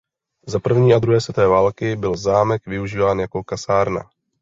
Za první a druhé světové války byl zámek využíván jako kasárna.